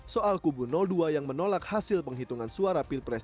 soal kubu dua yang menolak hasil penghitungan suara pilpres